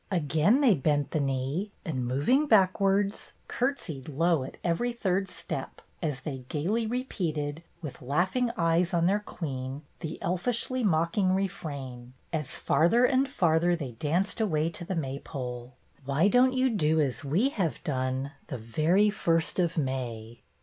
Again they bent the knee and, moving back wards, courtesied low at every third step as they gayly repeated, with laughing eyes on their queen, the elfishly mocking refrain, as farther and farther they danced away to the May pole :" Why don't you do as we have done, The very first of May